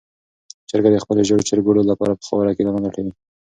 چرګه د خپلو ژېړو چرګوړو لپاره په خاوره کې دانه لټوي.